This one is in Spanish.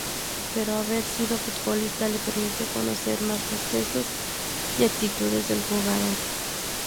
Pero haber sido futbolista le permitió conocer más los gestos y actitudes del jugador.